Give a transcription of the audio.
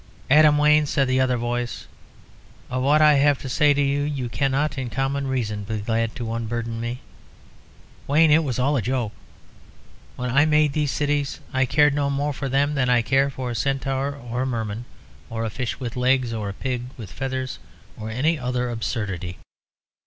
"Adam Wayne," said the other voice, "of what I have to say you cannot in common reason be glad to unburden me. Wayne, it was all a joke. When I made these cities, I cared no more for them than I care for a centaur, or a merman, or a fish with legs, or a pig with feathers, or any other absurdity.